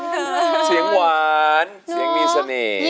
เพื่อสนับสร้างไรวิจัย